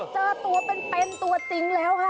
เจอตัวเป็นตัวจริงแล้วค่ะ